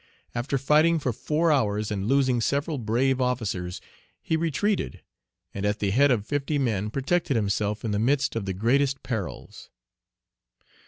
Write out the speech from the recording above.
After fighting for four hours and losing several brave officers, he retreated, and at the head of fifty men protected himself in the midst of the greatest perils.